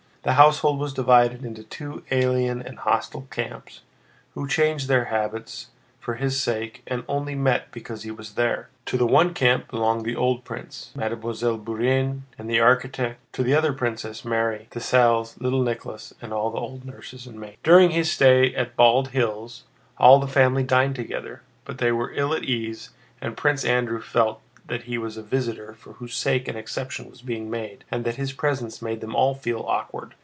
The household was divided into two alien and hostile camps, who changed their habits for his sake and only met because he was there. To the one camp belonged the old prince, Mademoiselle Bourienne, and the architect; to the other Princess Mary, Dessalles, little Nicholas, and all the old nurses and maids. During his stay at Bald Hills all the family dined together, but they were ill at ease and Prince Andrew felt that he was a visitor for whose sake an exception was being made and that his presence made them all feel awkward.